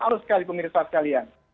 harus sekali pemirsa sekalian